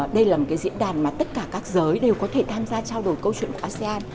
đây là một cái diễn đàn mà tất cả các giới đều có thể tham gia trao đổi câu chuyện của asean